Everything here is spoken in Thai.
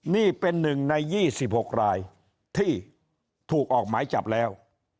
นี่เป็นหนึ่งในยี่สิบหกรายที่ถูกออกหมายจับแล้ว